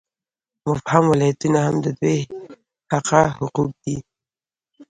مبهم ولایتونه هم د دوی حقه حقوق دي.